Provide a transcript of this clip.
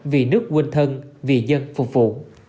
vì nước quân thân vì dân phục vụ